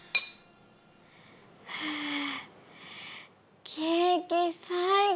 ふぅケーキ最高！